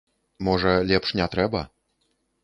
Можа, лепш не трэба?